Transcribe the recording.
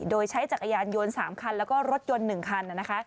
โดยใช้จักรยานยนต์๓คันแล้วก็รถยนต์๑คันนะคะ